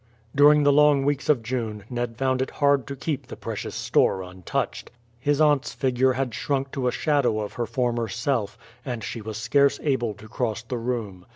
During the long weeks of June Ned found it hard to keep the precious store untouched. His aunt's figure had shrunk to a shadow of her former self, and she was scarce able to cross the room.